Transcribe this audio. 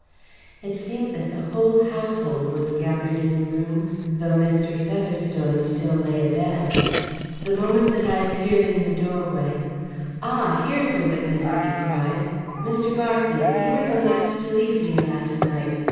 It seemed that the whole household was gathered in the room, though Mr. Featherstone still lay abed. The moment that I appeared in the doorway, "Ah! here's a witness," he cried. "Mr. Berkeley, you were the last to leave me last night.